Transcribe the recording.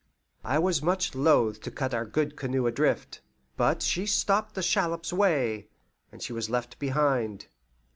I was much loath to cut our good canoe adrift, but she stopped the shallop's way, and she was left behind.